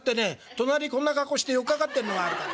隣こんな格好して寄っかかってんのがあるから。